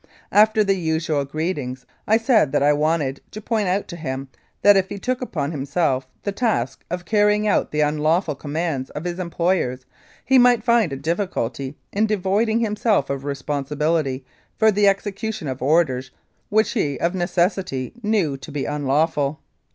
After the usual greetings I said that I wanted to point out to him that if he took upon himself the task of carrying out the unlawful commands of his em ployers, he might find a difficulty in devoiding himself of responsibility for the execution of orders which he of necessity knew to be unlawful.